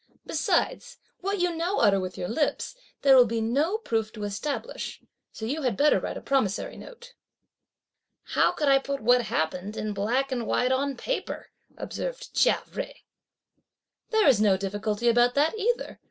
Besides, what you now utter with your lips, there will be no proof to establish; so you had better write a promissory note." "How could I put what happened in black and white on paper?" observed Chia Jui. "There's no difficulty about that either!"